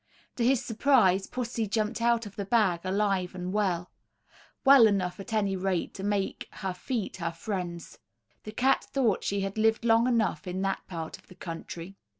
To his surprise pussy jumped out of the bag "alive and well;" well enough, at any rate, to make her feet her friends. That cat thought she had lived long enough, in that part of the country.